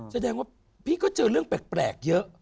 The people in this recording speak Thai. แสดงว่าพี่ก็เจอเรื่องแปลกเยอะ